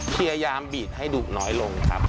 พยายามบีดให้ดุน้อยลงครับ